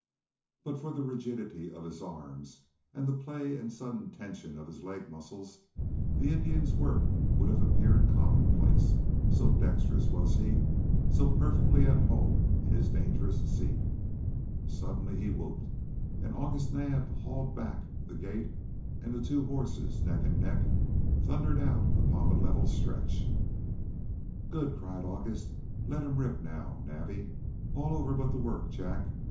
But for the rigidity of his arms, and the play and sudden tension of his leg muscles, the Indian's work would have appeared commonplace, so dexterous was he, so perfectly at home in his dangerous seat. Suddenly he whooped and August Naab hauled back the gate, and the two horses, neck and neck, thundered out upon the level stretch. "Good!" cried August. "Let him rip now, Navvy. All over but the work, Jack.